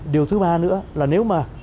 điều thứ ba nữa là nếu mà chúng ta mua vàng